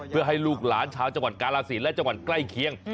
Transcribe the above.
เพื่อให้ลูกหลานชาวจังหวัดกาลสินและจังหวัดใกล้เคียง